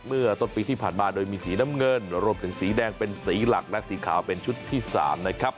เมื่อต้นปีที่ผ่านมาโดยมีสีน้ำเงินรวมถึงสีแดงเป็นสีหลักและสีขาวเป็นชุดที่๓นะครับ